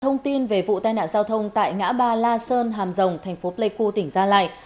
thông tin về vụ tai nạn giao thông tại ngã ba la sơn hàm rồng tp lê cưu tỉnh gia lai